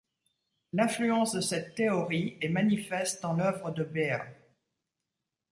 L'influence de cette théorie est manifeste dans l'œuvre de Beer.